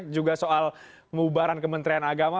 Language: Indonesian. juga soal mubaran kementerian agama